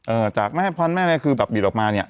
จากแม่พันธุ์แม่อะไรคือแบบบิดออกมาเนี่ย